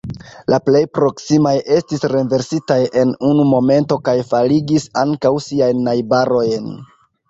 La plej proksimaj estis renversitaj en unu momento kaj faligis ankaŭ siajn najbarojn.